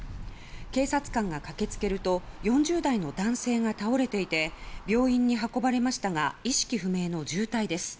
警察官が駆け付けると４０代の男性が倒れていて病院に運ばれましたが意識不明の重体です。